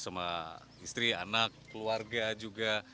sama istri anak keluarga juga